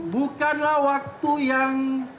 bukanlah waktu yang